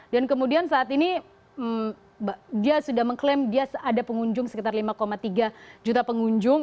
dan kemudian saat ini dia sudah mengklaim dia ada pengunjung sekitar lima tiga juta pengunjung